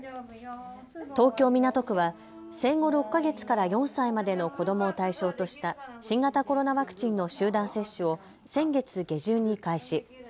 東京港区は生後６か月から４歳までの子どもを対象とした新型コロナワクチンの集団接種を先月下旬に開始。